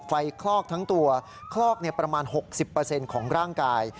ไฟคลอกทั้งตัวคลอกประมาณ๖๐เปอร์เซ็นต์ของร่างกาย